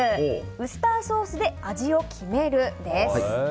ウスターソースで味を決めるです。